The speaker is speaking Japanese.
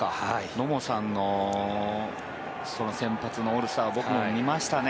野茂さんの先発のオールスターは僕も見ましたね。